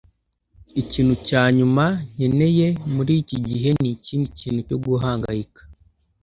ikintu cya nyuma nkeneye muri iki gihe ni ikindi kintu cyo guhangayika